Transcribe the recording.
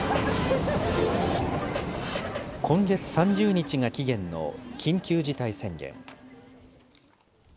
今月３０日が期限の緊急事態宣言。